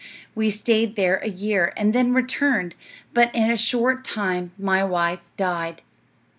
We stayed there a year and then returned, but in a short time my wife died.